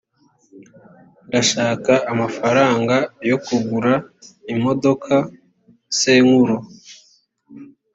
ndashaka amafaranga yo kugura imodoka senkuro